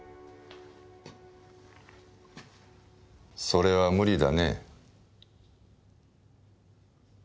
それは無理だね。